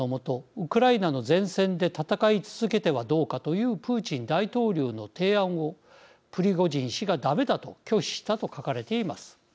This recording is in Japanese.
ウクライナの前線で戦い続けてはどうかというプーチン大統領の提案をプリゴジン氏がだめだと拒否したと書かれています。